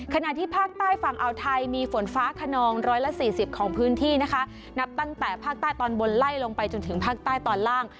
ขณะที่ภาคใต้ฝั่งอ่าวไทยมีฝนฟ้าขนองร้อยละสี่สิบของพื้นที่นะคะนับตั้งแต่ภาคใต้ตอนบนไล่ลงไปจนถึงภาคใต้ตอนล่าง